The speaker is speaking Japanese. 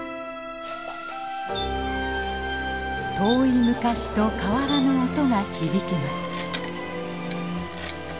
遠い昔と変わらぬ音が響きます。